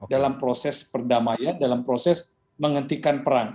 dalam proses perdamaian dalam proses menghentikan perang